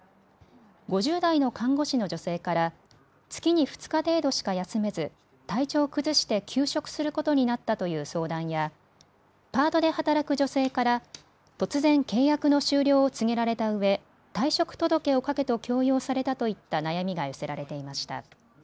５０代の看護師の女性から月に２日程度しか休めず体調を崩して休職することになったという相談やパートで働く女性から突然、契約の終了を告げられたうえ退職届を書けと強要されたといった悩みが寄せられていました。